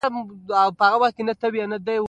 دا توری پخپله ځوان محققین ګمراه کوي.